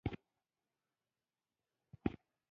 محبت مې د قسمت په دوړو کې ښخ شو.